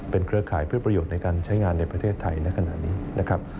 เครือข่ายเพื่อประโยชน์ในการใช้งานในประเทศไทยในขณะนี้นะครับ